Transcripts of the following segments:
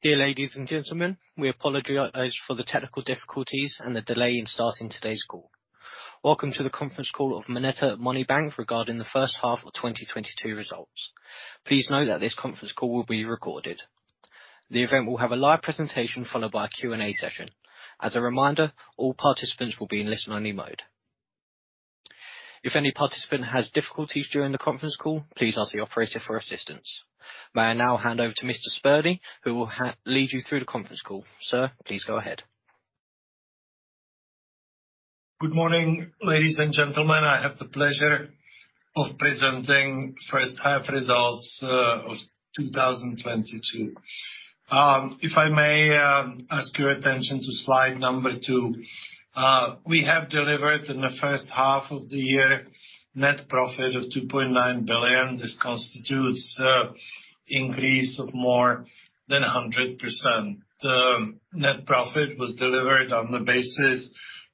Dear ladies and gentlemen, we apologize for the technical difficulties and the delay in starting today's call. Welcome to the conference call of MONETA Money Bank regarding the first half of 2022 results. Please note that this conference call will be recorded. The event will have a live presentation followed by a Q&A session. As a reminder, all participants will be in listen-only mode. If any participant has difficulties during the conference call, please ask the operator for assistance. May I now hand over to Mr. Spurný, who will lead you through the conference call. Sir, please go ahead. Good morning ladies and gentlemen. I have the pleasure of presenting first half results of 2022. If I may, ask your attention to slide number two. We have delivered in the first half of the year net profit of 2.9 billion. This constitutes a increase of more than 100%. The net profit was delivered on the basis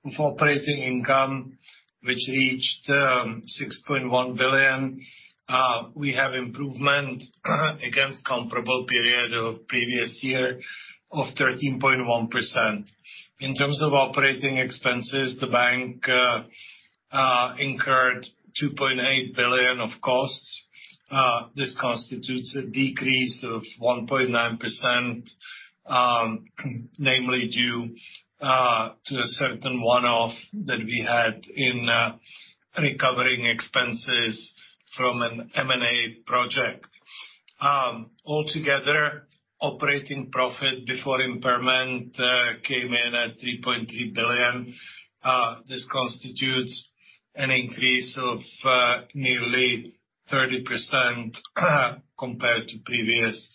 of operating income, which reached 6.1 billion. We have improvement against comparable period of previous year of 13.1%. In terms of operating expenses, the bank incurred 2.8 billion of costs. This constitutes a decrease of 1.9%, namely due to a certain one-off that we had in recovering expenses from an M&A project. Altogether, operating profit before impairment came in at 3.3 billion. This constitutes an increase of nearly 30% compared to previous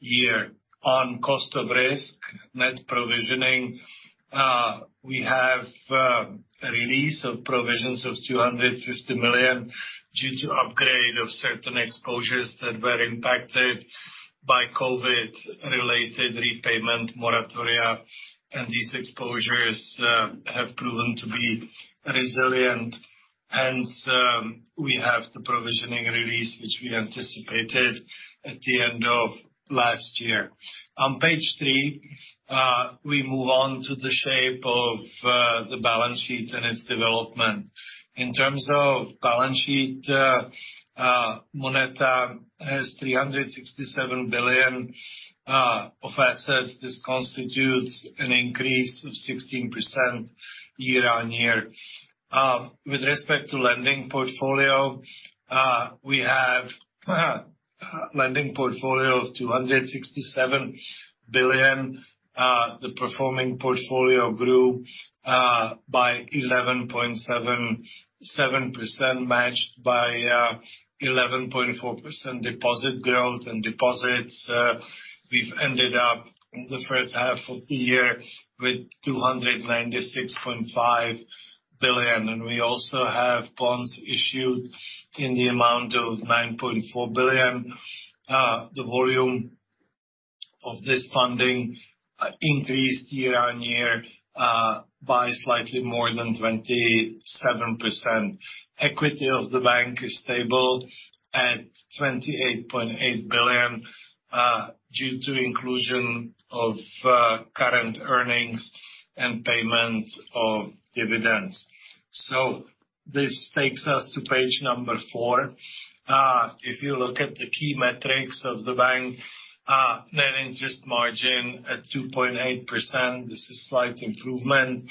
year. On cost of risk, net provisioning, we have a release of provisions of 250 million due to upgrade of certain exposures that were impacted by COVID-related repayment moratoria, and these exposures have proven to be resilient. We have the provisioning release which we anticipated at the end of last year. On page three, we move on to the shape of the balance sheet and its development. In terms of balance sheet, MONETA has 367 billion of assets. This constitutes an increase of 16% year-on-year. With respect to lending portfolio, we have lending portfolio of 267 billion. The performing portfolio grew by 11.7%, matched by 11.4% deposit growth. Deposits, we've ended up the first half of the year with 296.5 billion. We also have bonds issued in the amount of 9.4 billion. The volume of this funding increased year-on-year by slightly more than 27%. Equity of the bank is stable at 28.8 billion due to inclusion of current earnings and payment of dividends. This takes us to page number four. If you look at the key metrics of the bank, net interest margin at 2.8%. This is slight improvement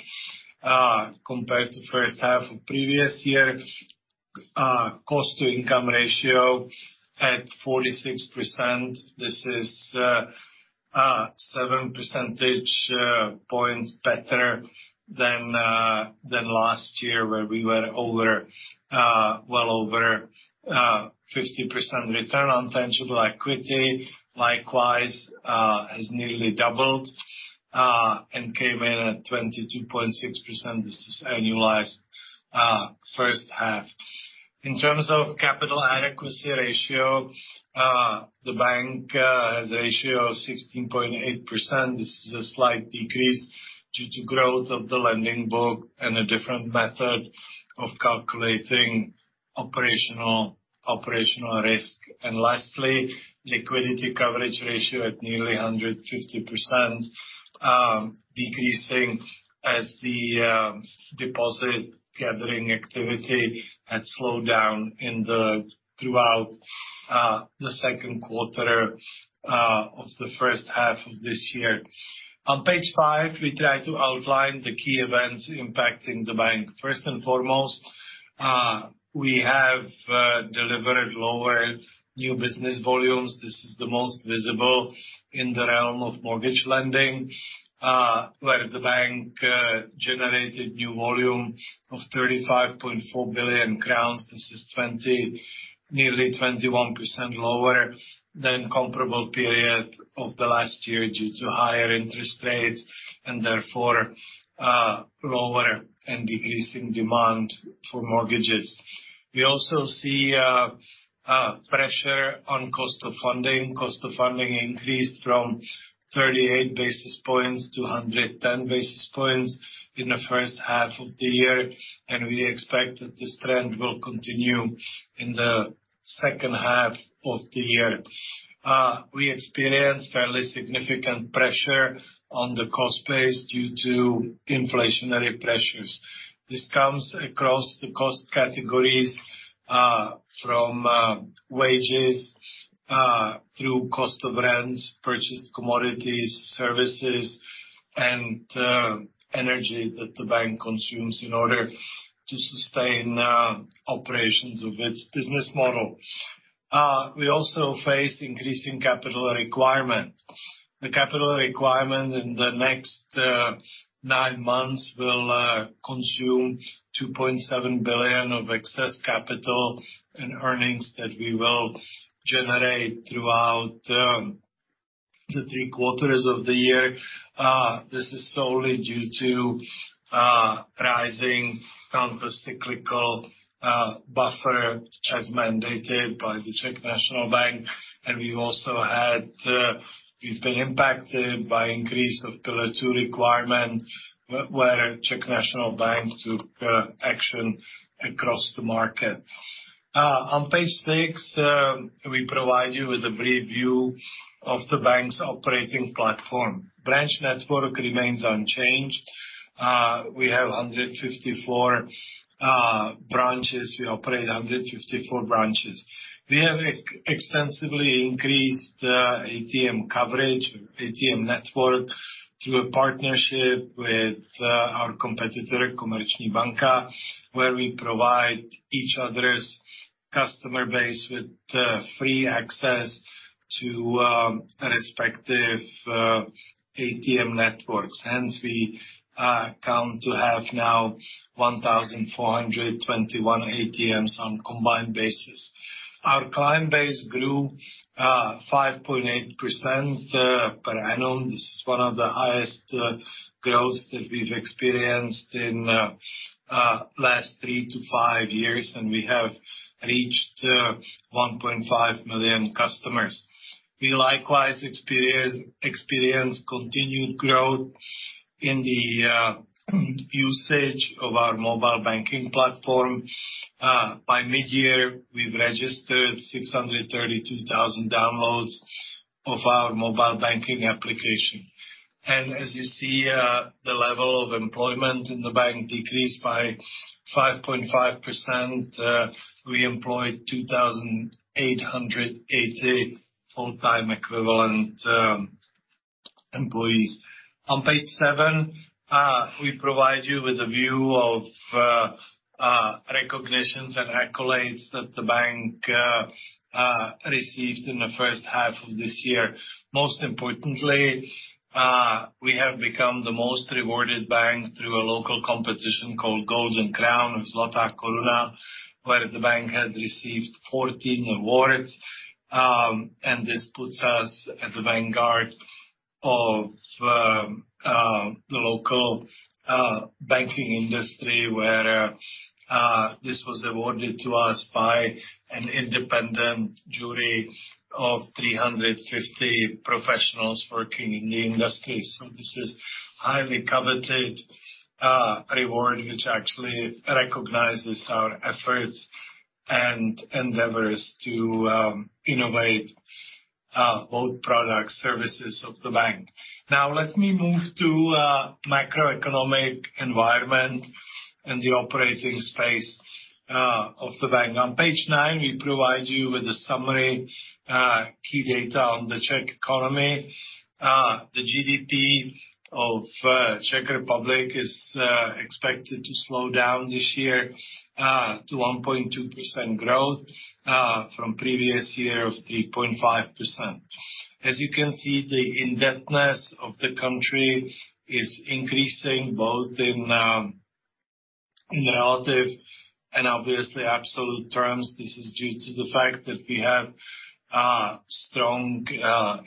compared to first half of previous year. Cost-to-income ratio at 46%. This is 7 percentage points better than last year, where we were over, well over, 50% Return on Tangible Equity. Likewise, has nearly doubled and came in at 22.6%. This is annualized first half. In terms of Capital Adequacy Ratio, the bank has a ratio of 16.8%. This is a slight decrease due to growth of the lending book and a different method of calculating operational risk. Lastly, Liquidity Coverage Ratio at nearly 150%, decreasing as the deposit gathering activity had slowed down throughout the second quarter of the first half of this year. On page five, we try to outline the key events impacting the bank. First and foremost, we have delivered lower new business volumes. This is the most visible in the realm of mortgage lending, where the bank generated new volume of 35.4 billion crowns. This is nearly 21% lower than comparable period of the last year due to higher interest rates, and therefore, lower and decreasing demand for mortgages. We also see a pressure on cost of funding. Cost of funding increased from 38 basis points to 110 basis points in the first half of the year, and we expect that this trend will continue in the second half of the year. We experienced fairly significant pressure on the cost base due to inflationary pressures. This comes across the cost categories, from wages through cost of rents, purchased commodities, services, and energy that the bank consumes in order to sustain operations of its business model. We also face increasing capital requirement. The capital requirement in the next nine months will consume 2.7 billion of excess capital and earnings that we will generate throughout the three quarters of the year. This is solely due to rising countercyclical buffer as mandated by the Czech National Bank. We have been impacted by increase of Pillar 2 requirement where Czech National Bank took action across the market. On page six, we provide you with a brief view of the bank's operating platform. Branch network remains unchanged. We have 154 branches. We operate 154 branches. We have extensively increased ATM coverage, ATM network, through a partnership with our competitor, Komerční banka, where we provide each other's customer base with free access to respective ATM networks. Hence, we count to have now 1,421 ATMs on combined basis. Our client base grew 5.8% per annum. This is one of the highest growths that we've experienced in last three-five years, and we have reached 1.5 million customers. We likewise experience continued growth in the usage of our mobile banking platform. By midyear, we've registered 632,000 downloads of our mobile banking application. As you see, the level of employment in the bank decreased by 5.5%. We employed 2,880 full-time equivalent employees. On page seven, we provide you with a view of recognitions and accolades that the bank received in the first half of this year. Most importantly, we have become the most rewarded bank through a local competition called Golden Crown or Zlatá Koruna, where the bank had received 14 awards and this puts us at the vanguard of the local banking industry, where this was awarded to us by an independent jury of 350 professionals working in the industry. This is highly coveted reward which actually recognizes our efforts and endeavors to innovate both products, services of the bank. Now let me move to macroeconomic environment and the operating space of the bank. On page nine, we provide you with a summary, key data on the Czech economy. The GDP of Czech Republic is expected to slow down this year to 1.2% growth from previous year of 3.5%. As you can see, the indebtedness of the country is increasing both in relative and obviously absolute terms. This is due to the fact that we have strong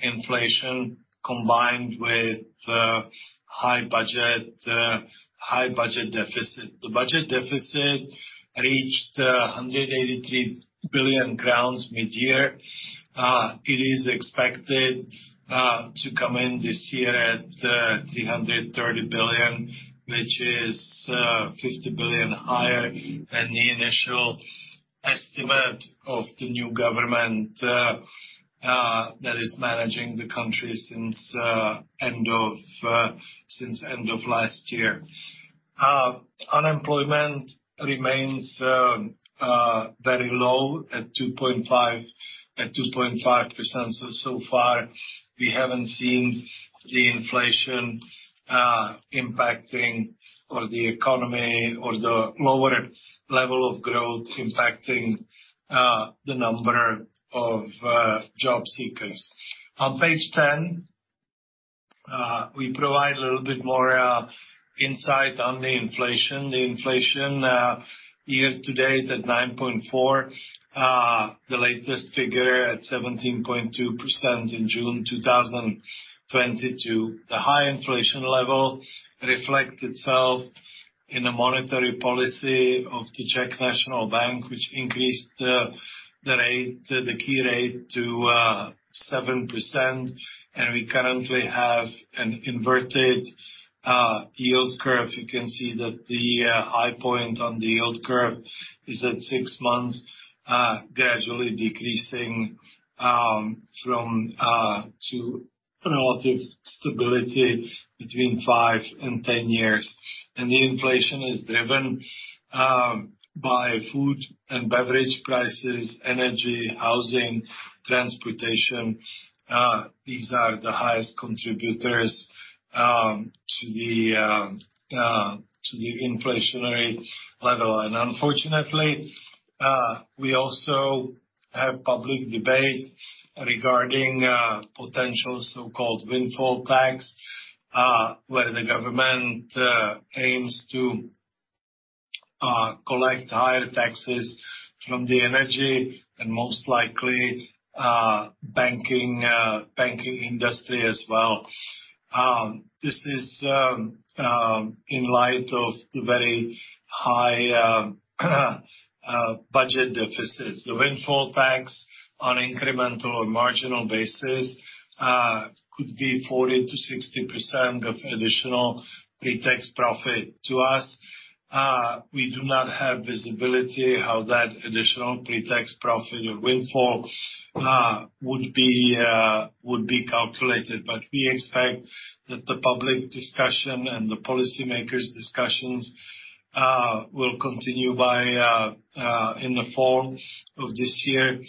inflation combined with high budget deficit. The budget deficit reached 183 billion crowns midyear. It is expected to come in this year at 330 billion, which is 50 billion higher than the initial estimate of the new government that is managing the country since end of last year. Unemployment remains very low at 2.5%. So far we haven't seen the inflation impacting or the economy or the lower level of growth impacting the number of job seekers. On page 10, we provide a little bit more insight on the inflation. The inflation year to date at 9.4%, the latest figure at 17.2% in June 2022. The high inflation level reflect itself in a monetary policy of the Czech National Bank, which increased the key rate to 7%, and we currently have an inverted yield curve. You can see that the high point on the yield curve is at six months, gradually decreasing to relative stability between five and 10 years. The inflation is driven by food and beverage prices, energy, housing, transportation. These are the highest contributors to the inflationary level. Unfortunately, we also have public debate regarding potential so-called windfall tax, where the government aims to collect higher taxes from the energy and most likely banking industry as well. This is in light of the very high budget deficit. The windfall tax on incremental or marginal basis could be 40%-60% of additional pre-tax profit to us. We do not have visibility how that additional pre-tax profit or windfall would be calculated. We expect that the public discussion and the policymakers discussions will continue in the fall of this year.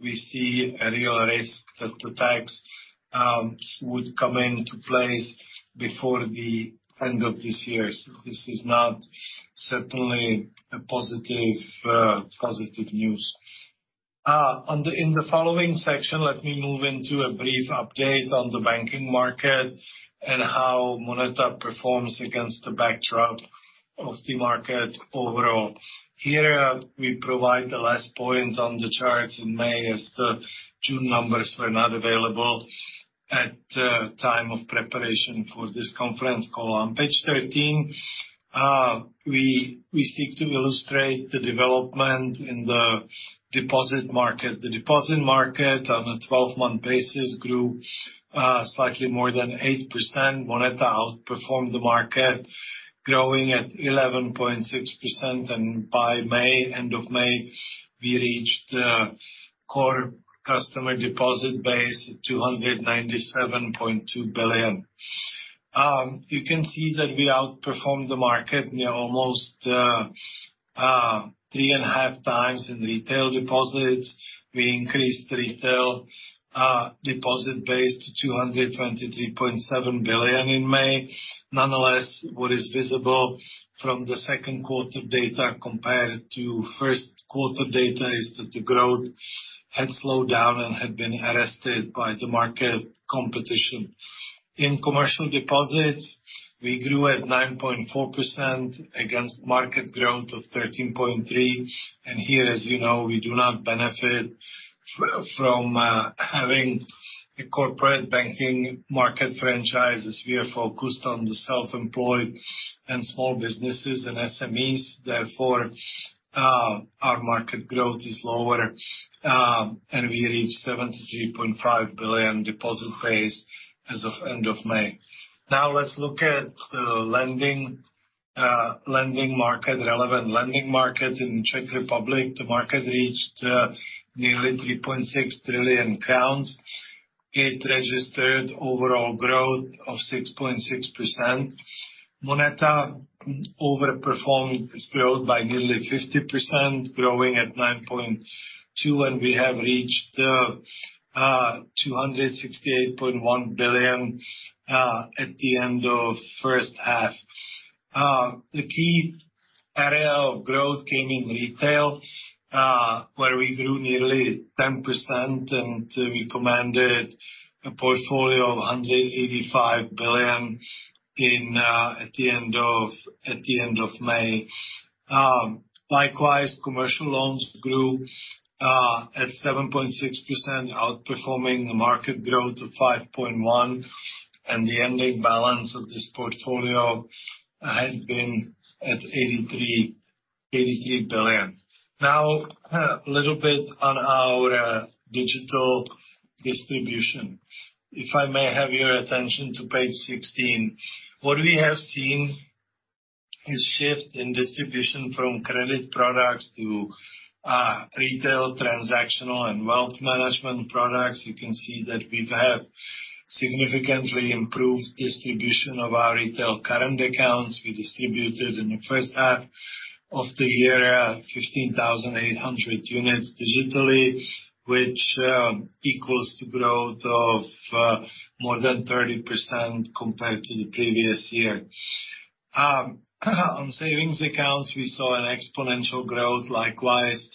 We see a real risk that the tax would come into place before the end of this year. This is not certainly positive news. In the following section, let me move into a brief update on the banking market and how MONETA performs against the backdrop of the market overall. Here, we provide the last point on the charts in May, as the June numbers were not available at the time of preparation for this conference call. On page thirteen, we seek to illustrate the development in the deposit market. The deposit market on a 12-month basis grew slightly more than 8%, MONETA outperformed the market, growing at 11.6%, and by May end of May, we reached core customer deposit base, 297.2 billion. You can see that we outperformed the market nearly almost 3.5 times in retail deposits. We increased retail deposit base to 223.7 billion in May. Nonetheless, what is visible from the second quarter data compared to first quarter data is that the growth had slowed down and had been arrested by the market competition. In commercial deposits, we grew at 9.4% against market growth of 13.3%. Here, as you know, we do not benefit from having a corporate banking market franchise, as we are focused on the self-employed and small businesses and SMEs. Therefore, our market growth is lower, and we reached 73.5 billion deposit base as of end of May. Now let's look at lending market, relevant lending market in Czech Republic. The market reached nearly 3.6 trillion crowns. It registered overall growth of 6.6%. Moneta overperformed its growth by nearly 50%, growing at 9.2%, and we have reached 268.1 billion at the end of first half. The key area of growth came in retail, where we grew nearly 10%, and we commanded a portfolio of 185 billion at the end of May. Likewise, commercial loans grew at 7.6%, outperforming the market growth of 5.1%, and the ending balance of this portfolio had been at 83 billion. Now, a little bit on our digital distribution. If I may have your attention to page 16. What we have seen is shift in distribution from credit products to retail, transactional, and wealth management products. You can see that we've had significantly improved distribution of our retail current accounts. We distributed in the first half of the year 15,800 units digitally, which equals to growth of more than 30% compared to the previous year. On savings accounts, we saw an exponential growth, likewise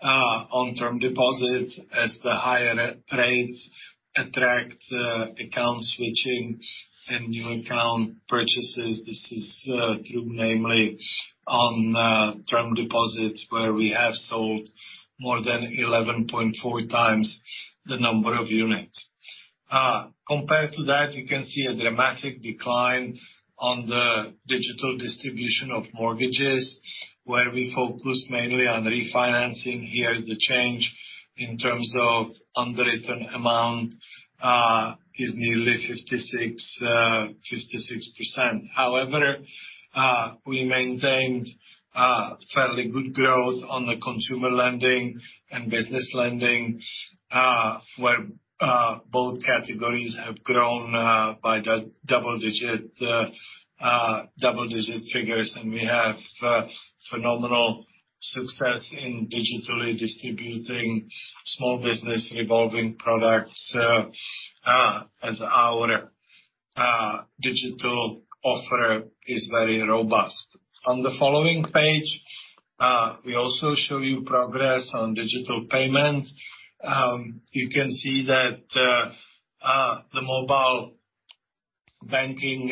on term deposits, as the higher rates attract account switching and new account purchases. This is true namely on term deposits, where we have sold more than 11.4 times the number of units. Compared to that, you can see a dramatic decline on the digital distribution of mortgages, where we focus mainly on refinancing. Here, the change in terms of underwritten amount is nearly 56%. However, we maintained fairly good growth on the consumer lending and business lending, where both categories have grown by the double digit figures. We have phenomenal success in digitally distributing small business revolving products, as our digital offer is very robust. On the following page, we also show you progress on digital payments. You can see that the mobile banking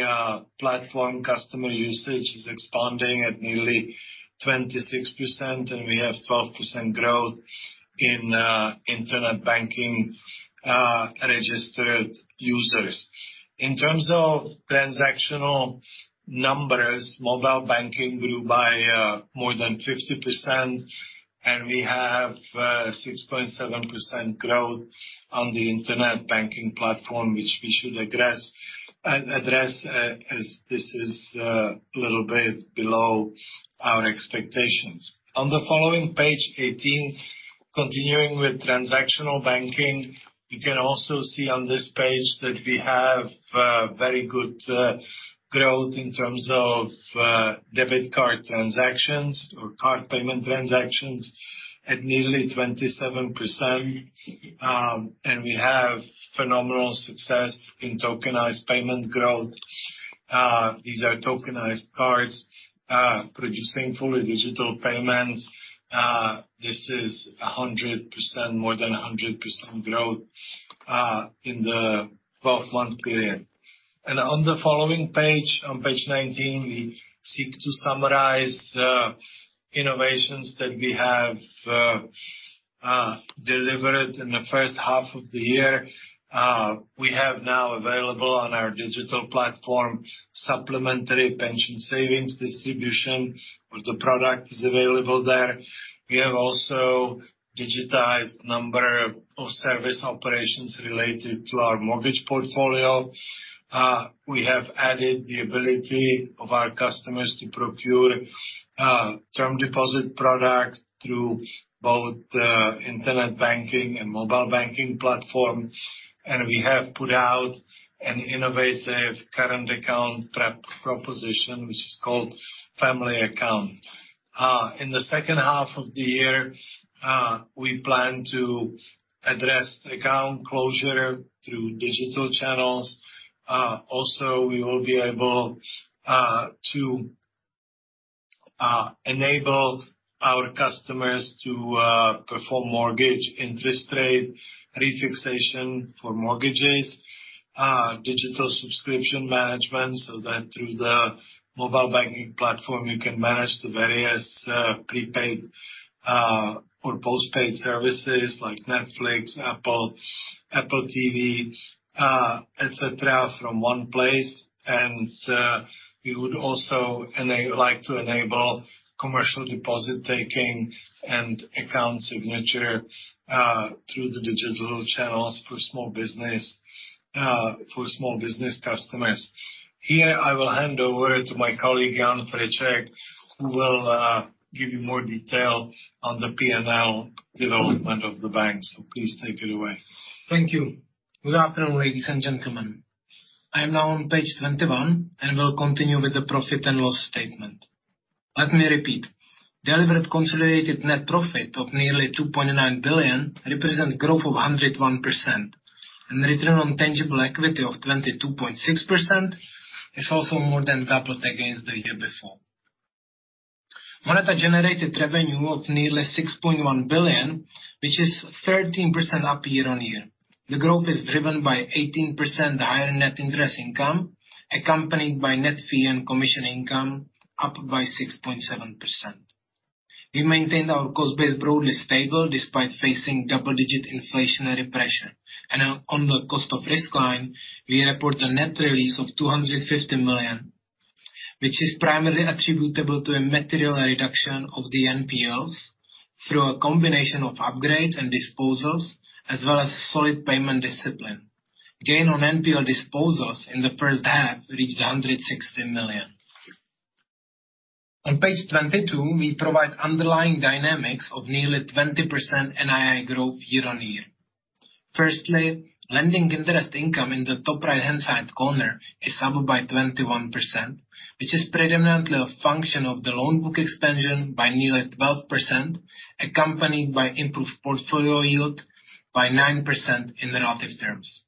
platform customer usage is expanding at nearly 26%, and we have 12% growth in internet banking registered users. In terms of transactional numbers, mobile banking grew by more than 50%, and we have 6.7% growth on the internet banking platform, which we should address as this is a little bit below our expectations. On the following page 18, continuing with transactional banking, you can also see on this page that we have very good growth in terms of debit card transactions or card payment transactions at nearly 27%. We have phenomenal success in tokenized payment growth. These are tokenized cards producing fully digital payments. This is 100%, more than 100% growth in the twelve-month period. On the following page, on page 19, we seek to summarize innovations that we have delivered in the first half of the year. We have now available on our digital platform supplementary pension savings distribution, where the product is available there. We have also digitized number of service operations related to our mortgage portfolio. We have added the ability of our customers to procure term deposit products through both the internet banking and mobile banking platform. We have put out an innovative current account product proposition, which is called Family Account. In the second half of the year, we plan to address account closure through digital channels. Also, we will be able to enable our customers to perform mortgage interest rate refixation for mortgages, digital subscription management, so that through the mobile banking platform, you can manage the various prepaid or postpaid services like Netflix, Apple, Apple TV, et cetera, from one place. We would also like to enable commercial deposit taking and account signature through the digital channels for small business customers. Here, I will hand over to my colleague Jan Friček, who will give you more detail on the P&L development of the bank. Please take it away. Thank you. Good afternoon ladies and gentlemen. I am now on page 21, and will continue with the profit and loss statement. Let me repeat. Delivered consolidated net profit of nearly 2.9 billion represents growth of 101%. Return on tangible equity of 22.6% is also more than doubled against the year before. MONETA generated revenue of nearly 6.1 billion, which is 13% up year-on-year. The growth is driven by 18% higher net interest income, accompanied by net fee and commission income up by 6.7%. We maintained our cost base broadly stable despite facing double-digit inflationary pressure. On the cost of risk line, we report a net release of 250 million, which is primarily attributable to a material reduction of the NPLs through a combination of upgrades and disposals, as well as solid payment discipline. Gain on NPL disposals in the first half reached 160 million. On page 22, we provide underlying dynamics of nearly 20% NII growth year-over-year. Firstly, lending interest income in the top right-hand side corner is up by 21%, which is predominantly a function of the loan book expansion by nearly 12%, accompanied by improved portfolio yield by 9% in relative terms.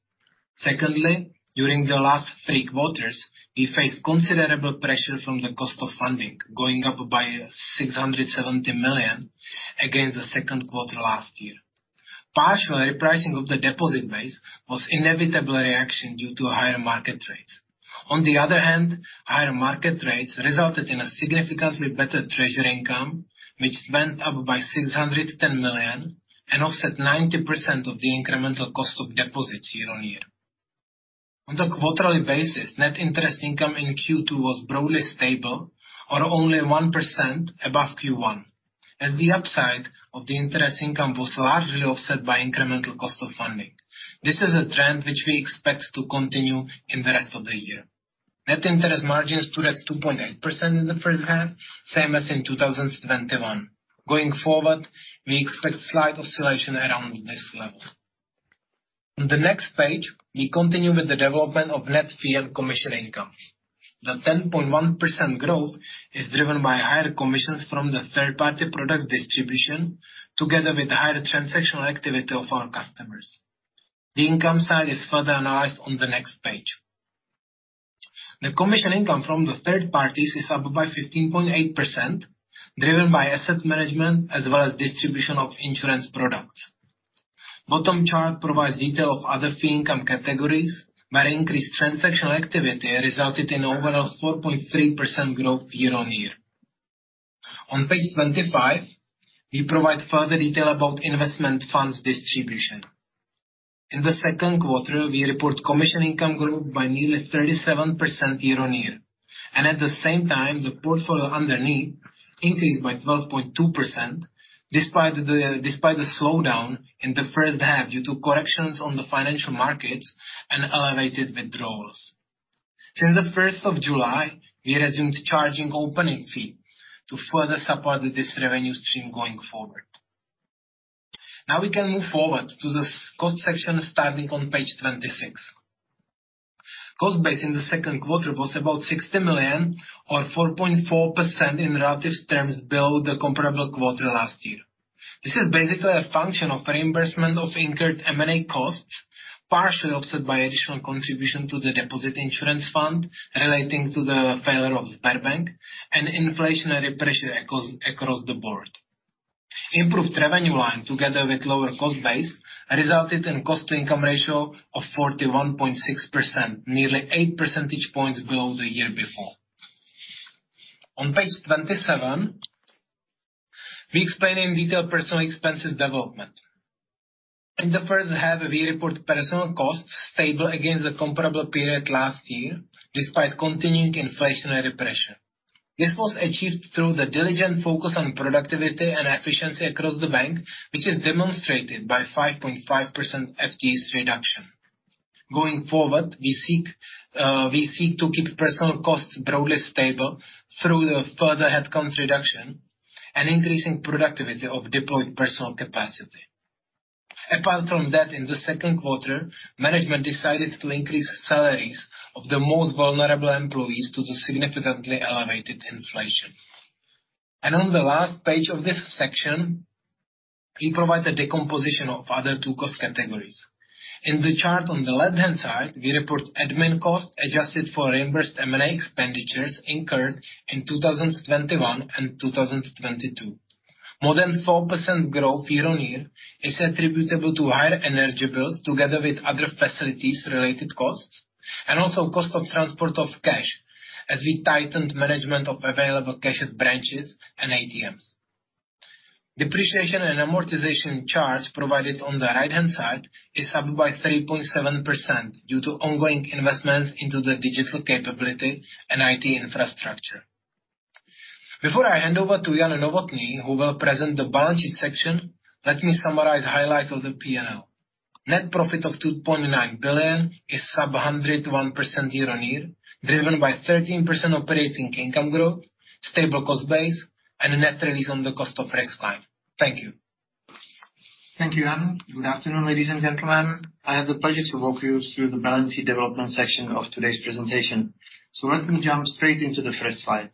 Secondly, during the last three quarters, we faced considerable pressure from the cost of funding, going up by 670 million against the second quarter last year. Partially, repricing of the deposit base was inevitable reaction due to higher market rates. On the other hand, higher market rates resulted in a significantly better treasury income, which went up by 610 million and offset 90% of the incremental cost of deposits year-on-year. On the quarterly basis, net interest income in Q2 was broadly stable or only 1% above Q1. As the upside of the interest income was largely offset by incremental cost of funding. This is a trend which we expect to continue in the rest of the year. Net interest margin stood at 2.8% in the first half, same as in 2021. Going forward, we expect slight oscillation around this level. On the next page, we continue with the development of net fee and commission income. The 10.1% growth is driven by higher commissions from the third party product distribution, together with higher transactional activity of our customers. The income side is further analyzed on the next page. The commission income from the third parties is up by 15.8%, driven by asset management as well as distribution of insurance products. Bottom chart provides detail of other fee income categories, where increased transactional activity resulted in overall 4.3% growth year-on-year. On page 25, we provide further detail about investment funds distribution. In the second quarter, we report commission income growth by nearly 37% year-on-year. At the same time, the portfolio underneath increased by 12.2% despite the slowdown in the first half due to corrections on the financial markets and elevated withdrawals. Since the first of July, we resumed charging opening fee to further support this revenue stream going forward. Now we can move forward to the cost section starting on page 26. Cost base in the second quarter was about 60 million or 4.4% in relative terms below the comparable quarter last year. This is basically a function of reimbursement of incurred M&A costs, partially offset by additional contribution to the Deposit Insurance Fund relating to the failure of Sberbank and inflationary pressure across the board. Improved revenue line, together with lower cost base, resulted in cost-to-income ratio of 41.6%, nearly 8 percentage points below the year before. On page 27, we explain in detail personnel expenses development. In the first half, we report personnel costs stable against the comparable period last year, despite continuing inflationary pressure. This was achieved through the diligent focus on productivity and efficiency across the bank, which is demonstrated by 5.5% FTEs reduction. Going forward, we seek to keep personnel costs broadly stable through the further headcount reduction and increasing productivity of deployed personnel capacity. Apart from that, in the second quarter, management decided to increase salaries of the most vulnerable employees due to the significantly elevated inflation. On the last page of this section, we provide the decomposition of other two cost categories. In the chart on the left-hand side, we report admin costs adjusted for reimbursed M&A expenditures incurred in 2021 and 2022. More than 4% growth year-on-year is attributable to higher energy bills together with other facilities related costs, and also cost of transport of cash as we tightened management of available cash at branches and ATMs. Depreciation and amortization charts provided on the right-hand side is up by 3.7% due to ongoing investments into the digital capability and IT infrastructure. Before I hand over to Jan Novotný, who will present the balance sheet section, let me summarize highlights of the P&L. Net profit of 2.9 billion is sub 100% year-on-year, driven by 13% operating income growth, stable cost base and a net release on the cost of risk line. Thank you. Thank you, Jan. Good afternoon, ladies and gentlemen. I have the pleasure to walk you through the balance sheet development section of today's presentation. Let me jump straight into the first slide.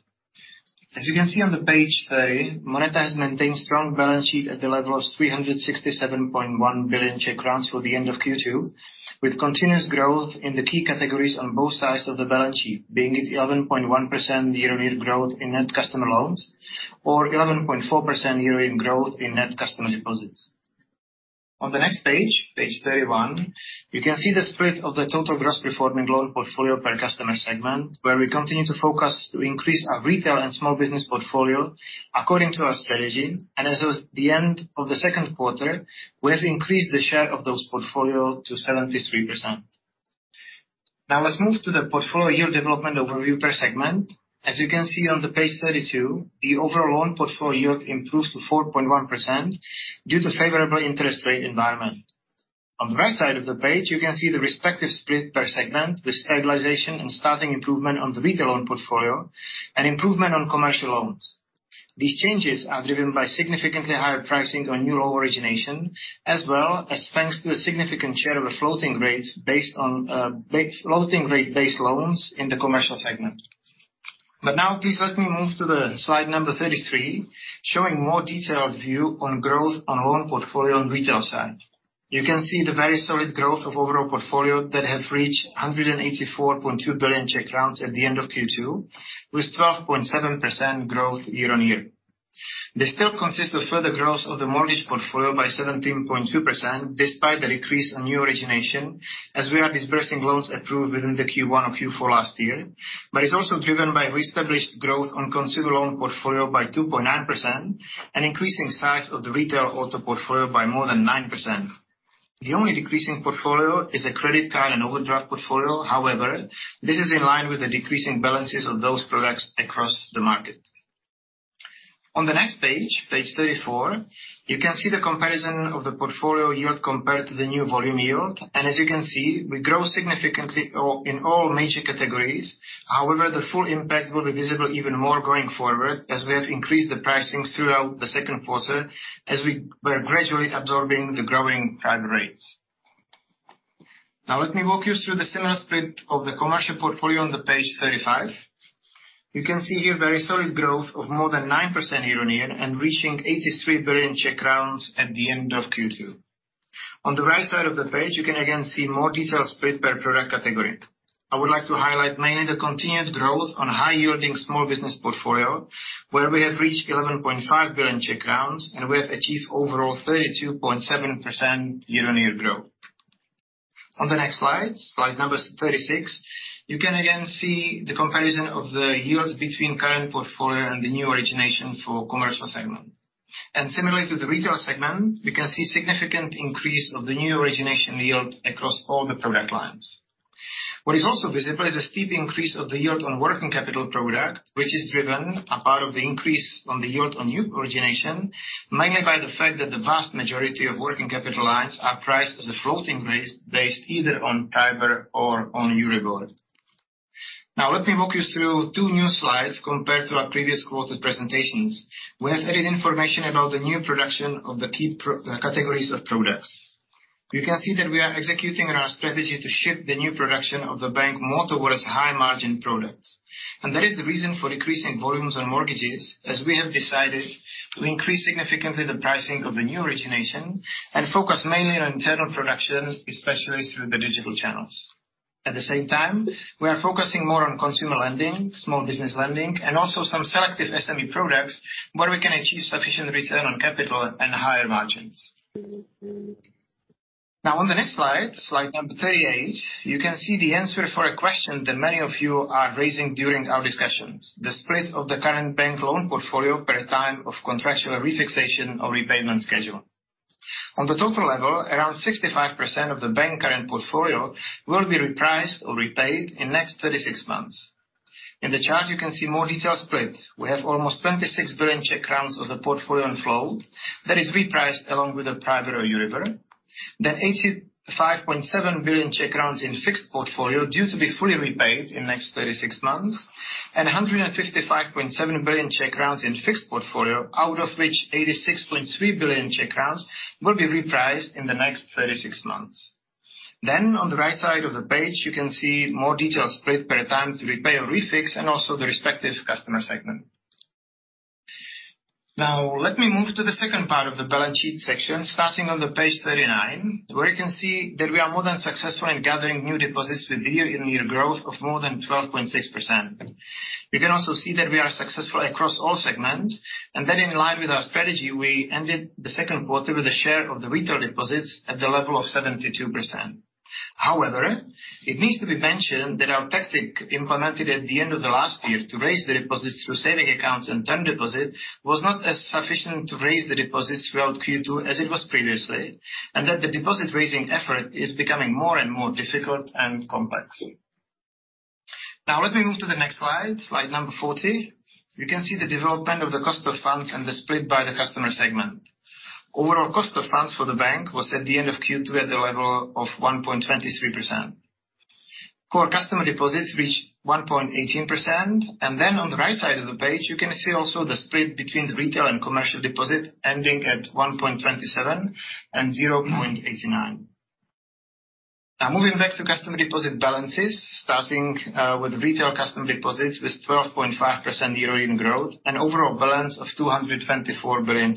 As you can see on page 30, MONETA maintains strong balance sheet at the level of 367.1 billion Czech crowns for the end of Q2, with continuous growth in the key categories on both sides of the balance sheet, being at 11.1% year-on-year growth in net customer loans or 11.4% year-on-year growth in net customer deposits. On the next page 31, you can see the split of the total gross performing loan portfolio per customer segment, where we continue to focus to increase our retail and small business portfolio according to our strategy. As of the end of the second quarter, we have increased the share of those portfolio to 73%. Now, let's move to the portfolio yield development overview per segment. As you can see on the page 32, the overall loan portfolio improved to 4.1% due to favorable interest rate environment. On the right side of the page, you can see the respective split per segment with stabilization and starting improvement on the retail loan portfolio and improvement on commercial loans. These changes are driven by significantly higher pricing on new loan origination, as well as thanks to the significant share of floating rates based on floating rate based loans in the commercial segment. Now please let me move to the slide number 33, showing more detailed view on growth on loan portfolio on retail side. You can see the very solid growth of overall portfolio that have reached 184.2 billion at the end of Q2, with 12.7% growth year-on-year. They still consist of further growth of the mortgage portfolio by 17.2%, despite the decrease in new origination as we are disbursing loans approved within the Q1 or Q4 last year. It's also driven by reestablished growth on consumer loan portfolio by 2.9% and increasing size of the retail auto portfolio by more than 9%. The only decreasing portfolio is a credit card and overdraft portfolio. However, this is in line with the decreasing balances of those products across the market. On the next page 34, you can see the comparison of the portfolio yield compared to the new volume yield. As you can see, we grow significantly all, in all major categories. However, the full impact will be visible even more going forward as we have increased the pricing throughout the second quarter as we were gradually absorbing the growing prime rates. Now, let me walk you through the similar split of the commercial portfolio on the page 35. You can see here very solid growth of more than 9% year-on-year and reaching 83 billion Czech crowns at the end of Q2. On the right side of the page, you can again see more detailed split per product category. I would like to highlight mainly the continued growth on high-yielding small business portfolio, where we have reached 11.5 billion, and we have achieved overall 32.7% year-on-year growth. On the next slide number 36, you can again see the comparison of the yields between current portfolio and the new origination for commercial segment. Similarly to the retail segment, we can see significant increase of the new origination yield across all the product lines. What is also visible is a steep increase of the yield on working capital product, which is driven in part by the increase on the yield on new origination, mainly by the fact that the vast majority of working capital lines are priced as a floating base, based either on PRIBOR or on EURIBOR. Now let me walk you through two new slides compared to our previous quarter's presentations. We have added information about the new production of the key product categories of products. You can see that we are executing on our strategy to ship the new production of the bank more towards high-margin products. That is the reason for decreasing volumes on mortgages, as we have decided to increase significantly the pricing of the new origination and focus mainly on internal production, especially through the digital channels. At the same time, we are focusing more on consumer lending, small business lending, and also some selective SME products where we can achieve sufficient return on capital and higher margins. Now on the next slide number 38, you can see the answer for a question that many of you are raising during our discussions. The split of the current bank loan portfolio per time of contractual refixation or repayment schedule. On the total level, around 65% of the bank current portfolio will be repriced or repaid in next 36 months. In the chart, you can see more detailed split. We have almost 26 billion of the portfolio and flow that is repriced along with the PRIBOR or EURIBOR. Eighty-five point seven billion Czech crowns in fixed portfolio due to be fully repaid in the next 36 months, and 155.7 billion Czech crowns in fixed portfolio, out of which 86.3 Billion Czech crowns will be repriced in the next 36 months. On the right side of the page, you can see more detailed split per time to repay or refix, and also the respective customer segment. Now let me move to the second part of the balance sheet section, starting on the page 39, where you can see that we are more than successful in gathering new deposits with year-on-year growth of more than 12.6%. We can also see that we are successful across all segments, and that in line with our strategy, we ended the second quarter with a share of the retail deposits at the level of 72%. However, it needs to be mentioned that our tactic implemented at the end of the last year to raise the deposits through savings accounts and term deposit was not as sufficient to raise the deposits throughout Q2 as it was previously, and that the deposit-raising effort is becoming more and more difficult and complex. Now let me move to the next slide number 40. You can see the development of the cost of funds and the split by the customer segment. Overall cost of funds for the bank was at the end of Q2 at the level of 1.23%. Core customer deposits reached 1.18%. On the right side of the page, you can see also the split between the retail and commercial deposits ending at 1.27% and 0.89%. Now moving back to customer deposit balances, starting with retail customer deposits with 12.5% year-on-year growth, an overall balance of 224 billion.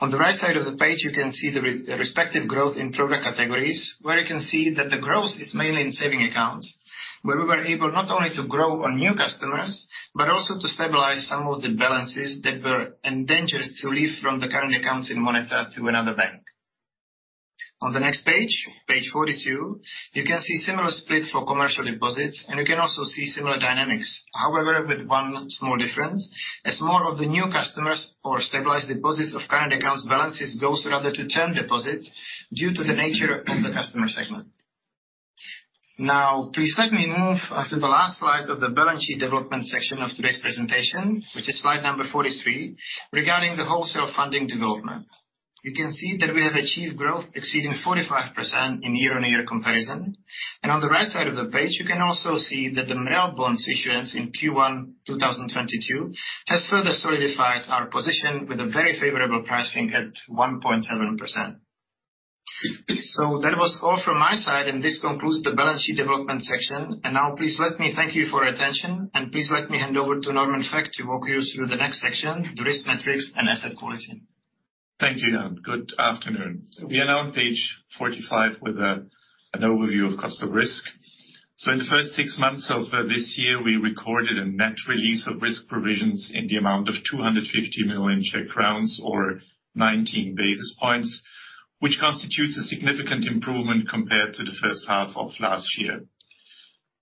On the right side of the page, you can see the respective growth in product categories, where you can see that the growth is mainly in saving accounts, where we were able not only to grow on new customers, but also to stabilize some of the balances that were endangered to leave from the current accounts in MONETA to another bank. On the next page 42, you can see similar split for commercial deposits, and you can also see similar dynamics. However, with one small difference, as more of the new customers or stabilized deposits of current accounts balances goes rather to term deposits due to the nature of the customer segment. Now please let me move to the last slide of the balance sheet development section of today's presentation, which is slide number 43, regarding the wholesale funding development. You can see that we have achieved growth exceeding 45% in year-on-year comparison. And on the right side of the page, you can also see that the MREL bonds issuance in Q1 2022 has further solidified our position with a very favorable pricing at 1.7%. That was all from my side, and this concludes the balance sheet development section. Now please let me thank you for your attention, and please let me hand over to Carl Normann Vökt to walk you through the next section, the risk metrics and asset quality. Thank you Jan. Good afternoon. We are now on page 45 with an overview of cost of risk. In the first six months of this year, we recorded a net release of risk provisions in the amount of 250 million Czech crowns or 19 basis points, which constitutes a significant improvement compared to the first half of last year.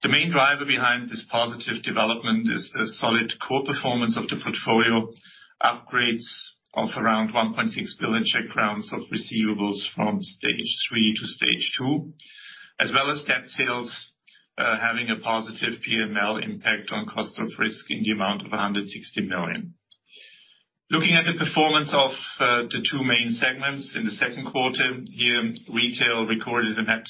The main driver behind this positive development is the solid core performance of the portfolio, upgrades of around 1.6 billion of receivables from stage three to stage two, as well as debt sales having a positive P&L impact on cost of risk in the amount of 160 million. Looking at the performance of the two main segments in the second quarter, here retail recorded a net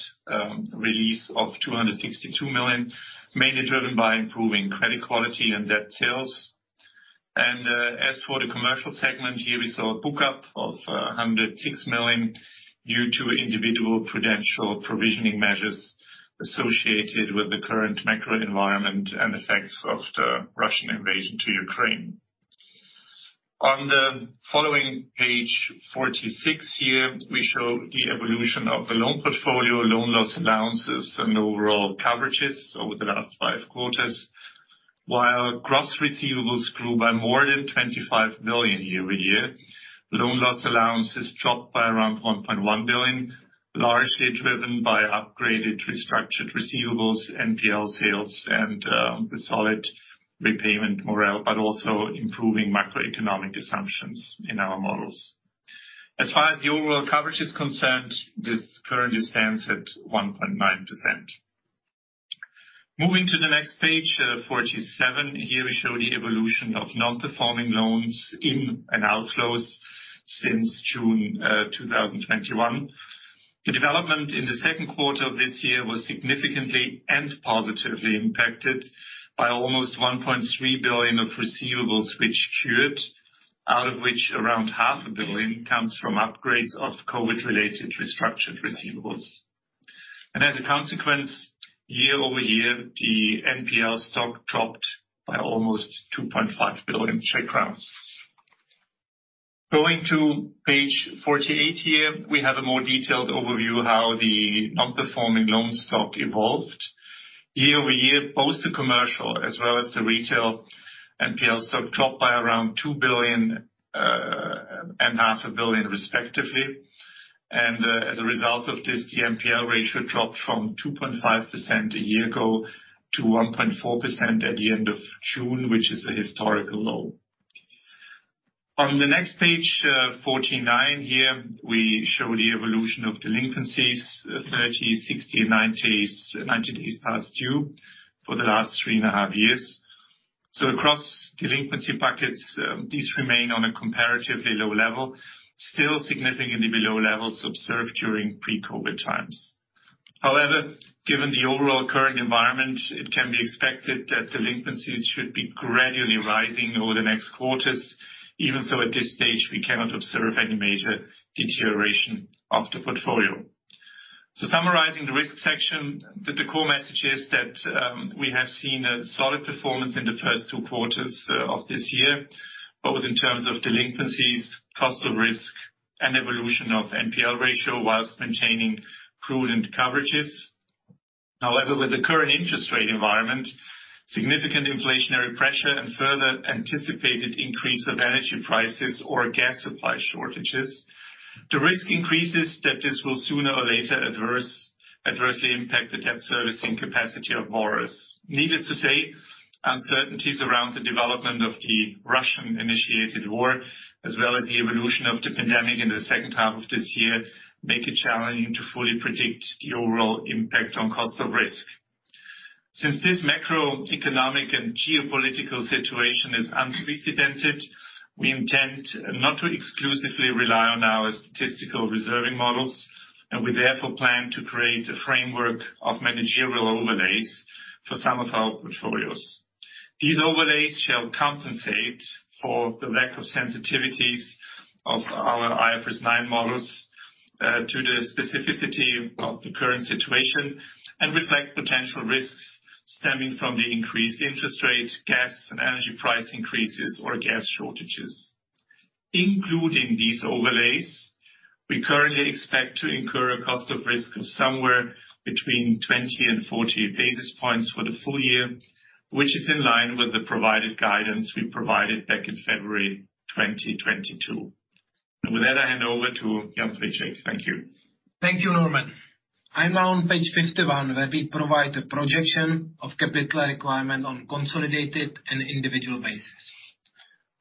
release of 262 million, mainly driven by improving credit quality and debt sales. As for the commercial segment, here we saw a build-up of 106 million due to individual prudential provisioning measures associated with the current macro environment and effects of the Russian invasion of Ukraine. On the following page 46 here, we show the evolution of the loan portfolio, loan loss allowances, and overall coverages over the last five quarters. While gross receivables grew by more than 25 million year-over-year, loan loss allowances dropped by around 1.1 billion, largely driven by upgraded restructured receivables, NPL sales, and the solid repayment morale, but also improving macroeconomic assumptions in our models. As far as the overall coverage is concerned, this currently stands at 1.9%. Moving to the next page, 47, here we show the evolution of non-performing loans in and outflows since June 2021. The development in the second quarter of this year was significantly and positively impacted by almost 1.3 billion of receivables which cured, out of which around half a billion comes from upgrades of COVID-related restructured receivables. As a consequence, year-over-year, the NPL stock dropped by almost 2.5 billion Czech crowns. Going to page 48 here, we have a more detailed overview how the non-performing loan stock evolved. Year-over-year, both the commercial as well as the retail NPL stock dropped by around 2 billion and half a billion respectively. As a result of this, the NPL ratio dropped from 2.5% a year ago to 1.4% at the end of June, which is a historical low. On the next page, 49 here, we show the evolution of delinquencies, 30, 60, and 90 days past due for the last three and a half years. Across delinquency buckets, these remain on a comparatively low level, still significantly below levels observed during pre-COVID times. However, given the overall current environment, it can be expected that delinquencies should be gradually rising over the next quarters, even though at this stage we cannot observe any major deterioration of the portfolio. Summarizing the risk section, the core message is that we have seen a solid performance in the first two quarters of this year, both in terms of delinquencies, cost of risk, and evolution of NPL ratio while maintaining prudent coverages. However, with the current interest rate environment, significant inflationary pressure and further anticipated increase of energy prices or gas supply shortages, the risk increases that this will sooner or later adversely impact the debt servicing capacity of borrowers. Needless to say, uncertainties around the development of the Russian-initiated war, as well as the evolution of the pandemic in the second half of this year, make it challenging to fully predict the overall impact on cost of risk. Since this macroeconomic and geopolitical situation is unprecedented, we intend not to exclusively rely on our statistical reserving models. We therefore plan to create a framework of managerial overlays for some of our portfolios. These overlays shall compensate for the lack of sensitivities of our IFRS 9 models to the specificity of the current situation and reflect potential risks stemming from the increased interest rates, gas and energy price increases or gas shortages. Including these overlays, we currently expect to incur a cost of risk of somewhere between 20 and 40 basis points for the full year, which is in line with the provided guidance we provided back in February 2022. With that, I hand over to Jan Friček. Thank you. Thank you, Norman. I'm now on page 51, where we provide a projection of capital requirement on consolidated and individual basis.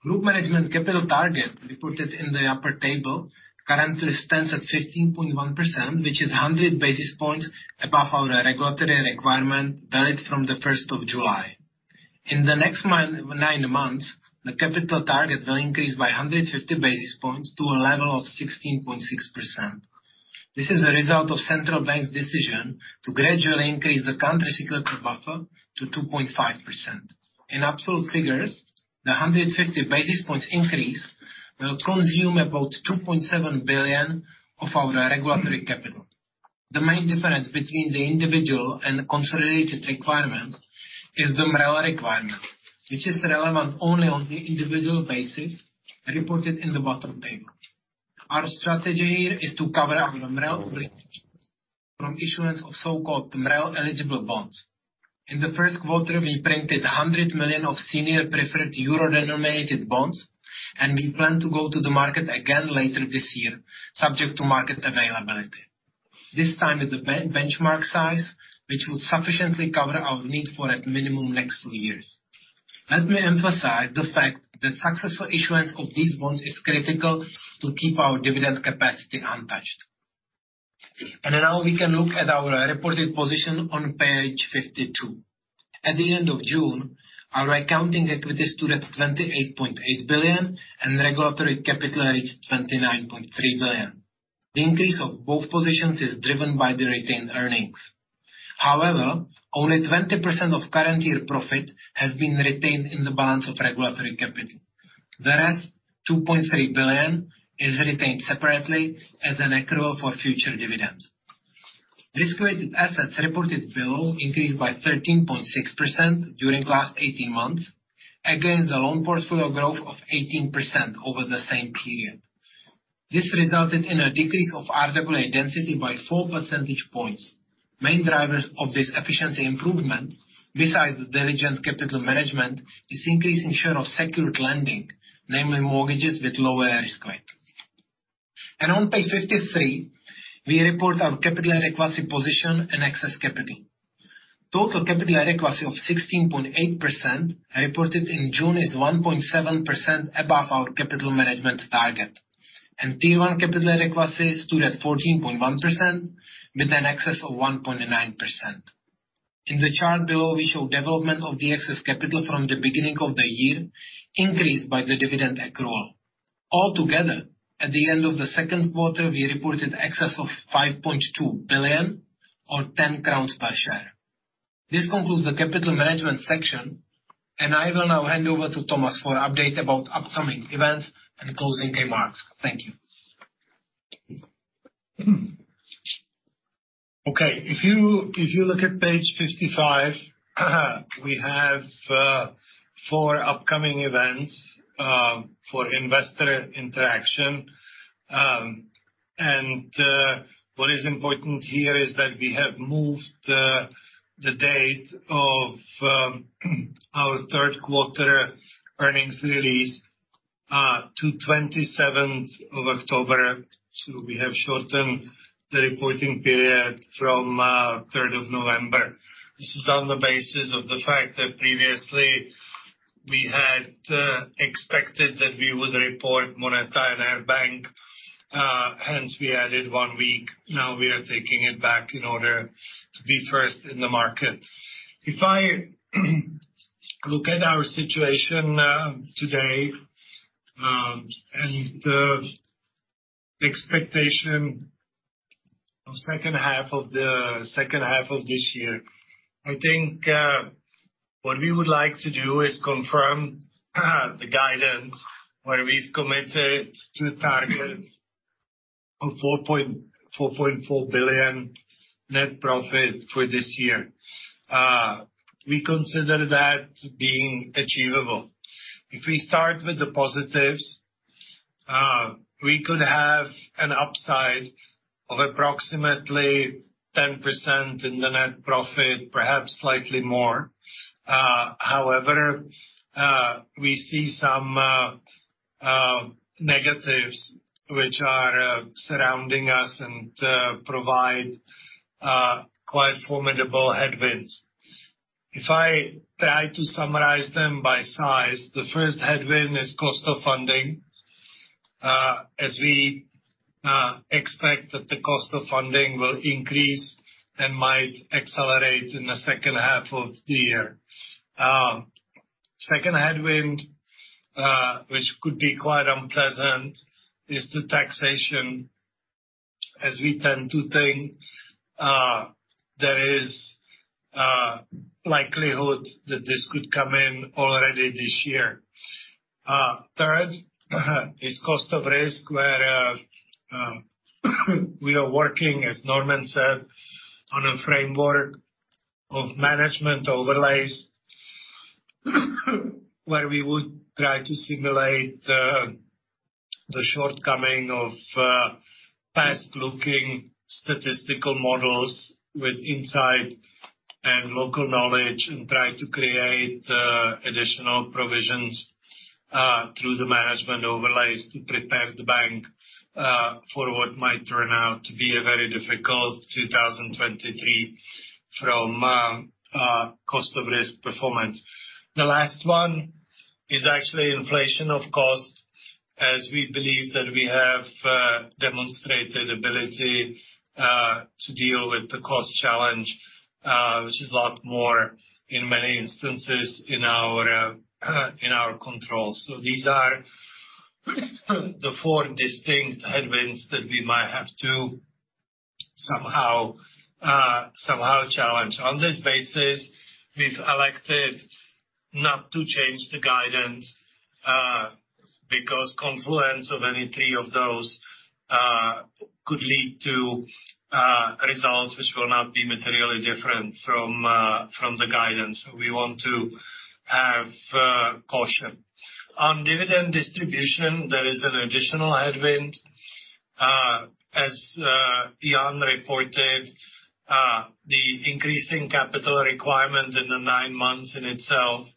Group management capital target reported in the upper table currently stands at 15.1%, which is 100 basis points above our regulatory requirement valid from July 1st. In the next nine months, the capital target will increase by 150 basis points to a level of 16.6%. This is a result of central bank's decision to gradually increase the country's regulatory buffer to 2.5%. In absolute figures, the 150 basis points increase will consume about 2.7 billion of our regulatory capital. The main difference between the individual and consolidated requirements is the MREL requirement, which is relevant only on the individual basis reported in the bottom table. Our strategy here is to cover the MREL obligations from issuance of so-called MREL eligible bonds. In the first quarter, we printed 100 million of senior preferred euro-denominated bonds, and we plan to go to the market again later this year, subject to market availability. This time with the benchmark size, which would sufficiently cover our needs for a minimum next two years. Let me emphasize the fact that successful issuance of these bonds is critical to keep our dividend capacity untouched. Now we can look at our reported position on page 52. At the end of June, our accounting equity stood at 28.8 billion, and regulatory capital reached 29.3 billion. The increase of both positions is driven by the retained earnings. However, only 20% of current year profit has been retained in the balance of regulatory capital. Whereas 2.3 billion is retained separately as an accrual for future dividends. Risk-weighted assets reported below increased by 13.6% during the last 18 months, against the loan portfolio growth of 18% over the same period. This resulted in a decrease of RWA density by 4 percentage points. Main drivers of this efficiency improvement, besides the diligent capital management, is increase in share of secured lending, namely mortgages with lower risk weight. On page 53, we report our capital and equity position and excess capital. Total capital and equity of 16.8% reported in June is 1.7% above our capital management target. Tier 1 capital and equity stood at 14.1% with an excess of 1.9%. In the chart below, we show development of the excess capital from the beginning of the year increased by the dividend accrual. Altogether, at the end of the second quarter, we reported excess of 5.2 billion or 10 crowns per share. This concludes the capital management section, and I will now hand over to Tomáš for update about upcoming events and closing remarks. Thank you. Okay. If you look at page 55, we have four upcoming events for investor interaction. What is important here is that we have moved the date of our third quarter earnings release to 27th of October. We have shortened the reporting period from November 3rd. This is on the basis of the fact that previously we had expected that we would report MONETA and Air Bank, hence we added one week. Now, we are taking it back in order to be first in the market. If I look at our situation today, and the expectation of second half of this year, I think what we would like to do is confirm the guidance where we've committed to target of 4.4 billion net profit for this year. We consider that being achievable. If we start with the positives, we could have an upside of approximately 10% in the net profit, perhaps slightly more. However, we see some negatives which are surrounding us and provide quite formidable headwinds. If I try to summarize them by size, the first headwind is cost of funding, as we expect that the cost of funding will increase and might accelerate in the second half of the year. Second headwind, which could be quite unpleasant, is the taxation, as we tend to think, there is likelihood that this could come in already this year. Third, is cost of risk, where we are working, as Norman said, on a framework of management overlays, where we would try to simulate the shortcoming of past-looking statistical models with insight and local knowledge, and try to create additional provisions through the management overlays to prepare the bank for what might turn out to be a very difficult 2023 from cost of risk performance. The last one is actually inflation of cost, as we believe that we have demonstrated ability to deal with the cost challenge, which is a lot more, in many instances, in our control. These are the four distinct headwinds that we might have to somehow challenge. On this basis, we've elected not to change the guidance, because confluence of any three of those could lead to results which will not be materially different from the guidance. We want to have caution. On dividend distribution, there is an additional headwind. As Jan reported, the increasing capital requirement in the nine months in itself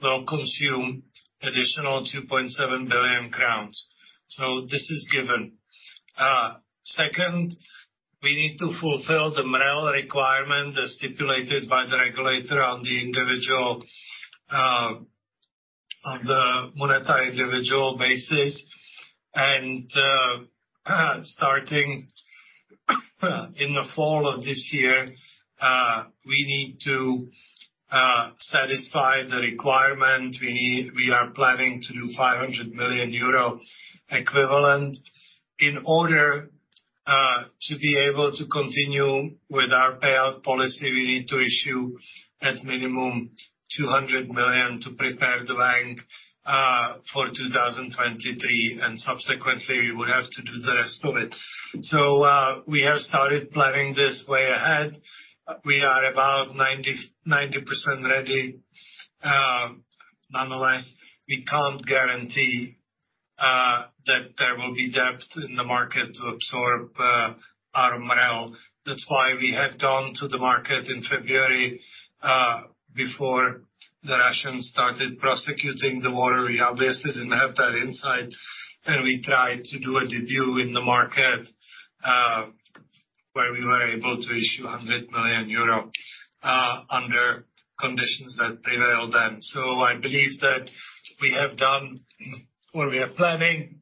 will consume additional 2.7 billion crowns. This is given. Second, we need to fulfill the MREL requirement as stipulated by the regulator on the individual, on the MONETA individual basis and, starting in the fall of this year, we need to satisfy the requirement. We are planning to do 500 million euro equivalent. In order to be able to continue with our payout policy, we need to issue at minimum 200 million to prepare the bank for 2023, and subsequently, we would have to do the rest of it. We have started planning this way ahead. We are about 90% ready. Nonetheless, we can't guarantee that there will be depth in the market to absorb our MREL. That's why we have gone to the market in February before the Russians started the war. We obviously didn't have that insight, and we tried to do a debut in the market where we were able to issue 100 million euro under conditions that prevailed then. I believe that we have done or we are planning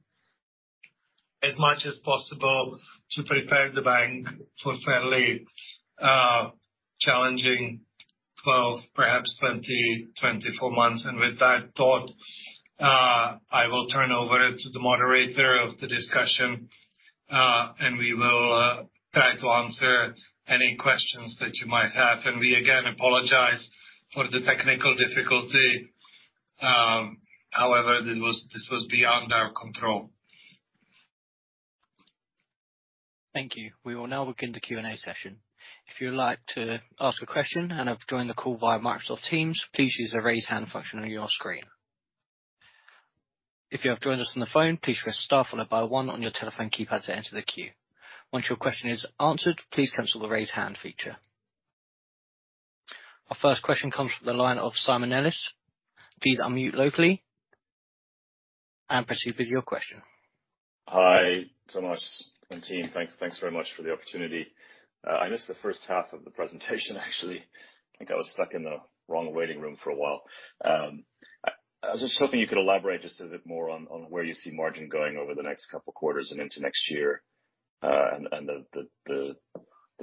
as much as possible to prepare the bank for fairly challenging 12, perhaps 20, 24 months. With that thought, I will turn over to the moderator of the discussion, and we will try to answer any questions that you might have. We again apologize for the technical difficulty, however, this was beyond our control. Thank you. We will now begin the Q&A session. If you would like to ask a question and have joined the call via Microsoft Teams, please use the raise hand function on your screen. If you have joined us on the phone, please press Star followed by one on your telephone keypad to enter the queue. Once your question is answered, please cancel the raise hand feature. Our first question comes from the line of Simon Nellis. Please unmute locally and proceed with your question. Hi Tomáš and team. Thanks very much for the opportunity. I missed the first half of the presentation, actually. I think I was stuck in the wrong waiting room for a while. I was just hoping you could elaborate just a bit more on where you see margin going over the next couple quarters and into next year, and the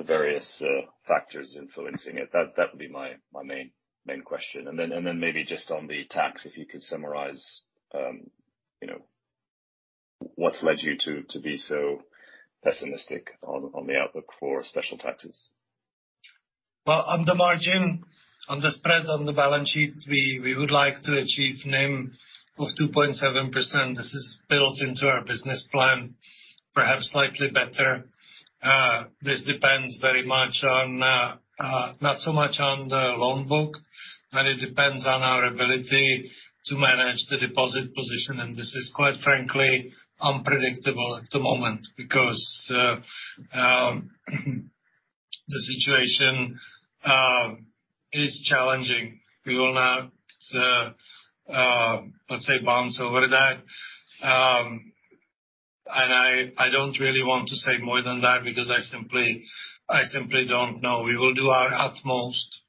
various factors influencing it. That would be my main question. Then maybe just on the tax, if you could summarize, you know, what's led you to be so pessimistic on the outlook for special taxes. Well, on the margin, on the spread on the balance sheet, we would like to achieve NIM of 2.7%. This is built into our business plan, perhaps slightly better. This depends very much on, not so much on the loan book, but it depends on our ability to manage the deposit position, and this is quite frankly unpredictable at the moment because the situation is challenging. We will not, let's say, bounce over that. I don't really want to say more than that because I simply don't know. We will do our utmost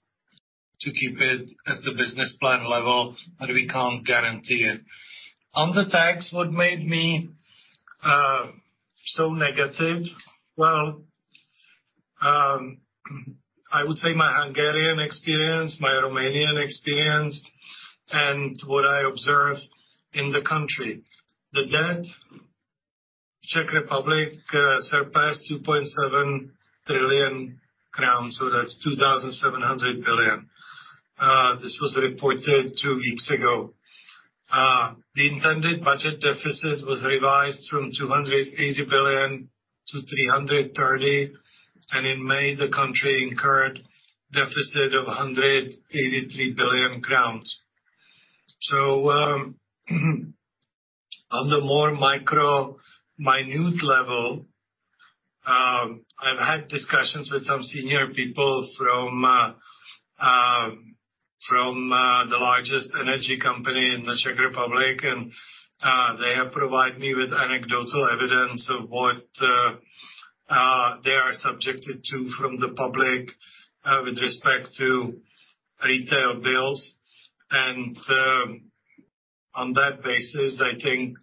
to keep it at the business plan level, but we can't guarantee it. On the tax, what made me so negative? Well, I would say my Hungarian experience, my Romanian experience, and what I observe in the country. The debt, Czech Republic, surpassed 2.7 trillion crowns, so that's 2,700 billion. This was reported two weeks ago. The intended budget deficit was revised from 280 billion to 330 billion, and in May, the country incurred deficit of 183 billion crowns. On the more micro minute level, I've had discussions with some senior people from the largest energy company in the Czech Republic, and they have provided me with anecdotal evidence of what they are subjected to from the public with respect to retail bills. On that basis, I think,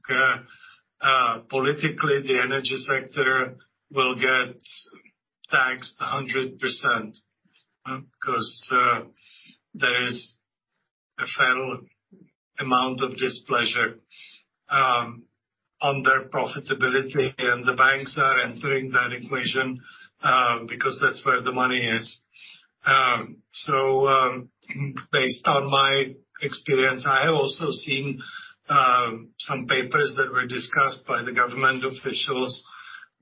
politically, the energy sector will get taxed 100%, 'cause there is a fair amount of displeasure on their profitability, and the banks are entering that equation, because that's where the money is. Based on my experience, I have also seen some papers that were discussed by the government officials,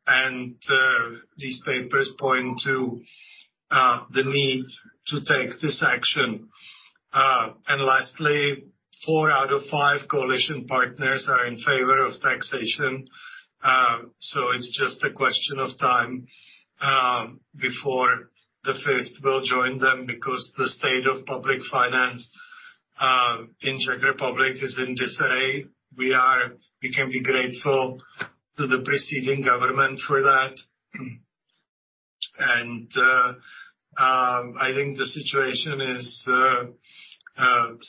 and these papers point to the need to take this action. Lastly, four out of five coalition partners are in favor of taxation, it's just a question of time before the fifth will join them because the state of public finance in Czech Republic is in disarray. We can be grateful to the preceding government for that. I think the situation is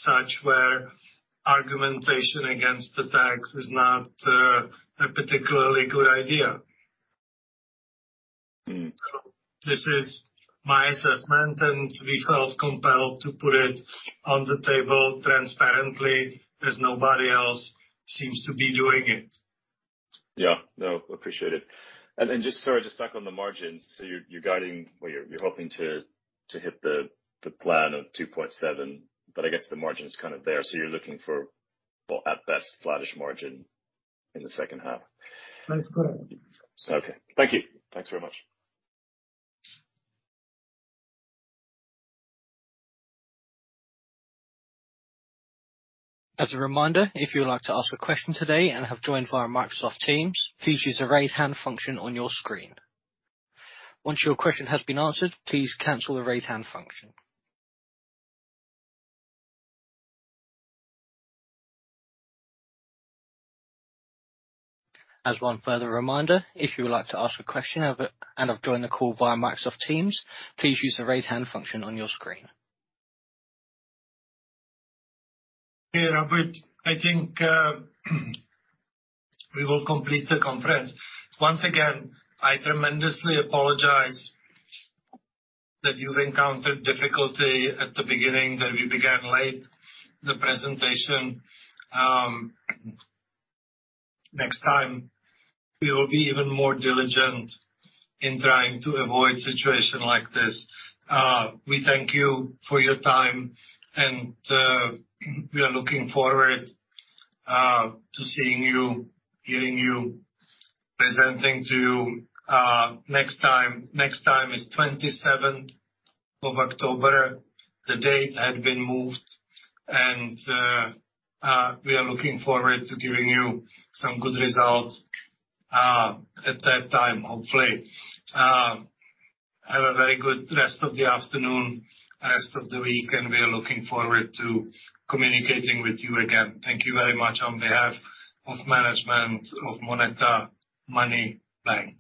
such where argumentation against the tax is not a particularly good idea. Mm. This is my assessment, and we felt compelled to put it on the table transparently, as nobody else seems to be doing it. Yeah. No, appreciate it, and then so just back on the margins, you're guiding, well, you're hoping to hit the plan of 2.7%, but I guess the margin's kind of there, sou're looking for, well, at best, flattish margin in the second half. That's correct. Okay. Thank you. Thanks very much. As a reminder, if you would like to ask a question today and have joined via Microsoft Teams, please use the Raise Hand function on your screen. Once your question has been answered, please cancel the Raise Hand function. As one further reminder, if you would like to ask a question and have joined the call via Microsoft Teams, please use the Raise Hand function on your screen. Hey Robert. I think we will complete the conference. Once again, I tremendously apologize that you've encountered difficulty at the beginning, that we began late, the presentation. Next time we will be even more diligent in trying to avoid situation like this. We thank you for your time, and we are looking forward to seeing you, hearing you, presenting to you next time. Next time is 27th of October. The date had been moved, and we are looking forward to giving you some good results at that time, hopefully. Have a very good rest of the afternoon, rest of the week, and we are looking forward to communicating with you again. Thank you very much on behalf of management of MONETA Money Bank.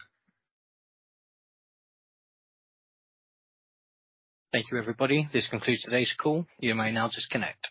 Thank you everybody. This concludes today's call. You may now disconnect.